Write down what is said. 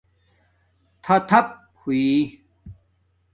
تھاتھپ ہوئئ